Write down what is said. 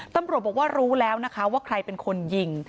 ตำรวจบอกว่ารู้แล้วนะคะว่าใครเป็นคนยิง